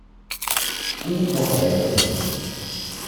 Buch noch weitere.